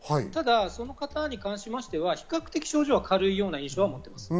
その方に関しては、比較的症状は軽い印象を持っています。